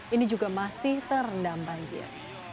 ini juga masih terendam banjir